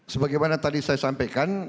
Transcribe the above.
sebagaimana tadi saya sampaikan